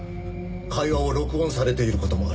会話を録音されている事もある。